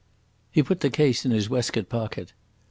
He put the case in his waistcoat pocket.